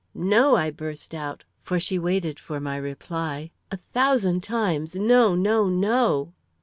"No!" I burst out, for she waited for my reply. "A thousand times, no, no, no!"